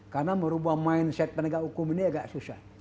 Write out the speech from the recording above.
karena merubah mindset penegak hukum ini agak susah